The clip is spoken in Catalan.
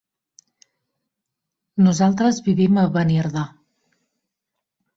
Nosaltres vivim a Beniardà.